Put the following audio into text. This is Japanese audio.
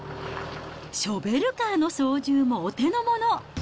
ショベルカーの操縦もお手のもの。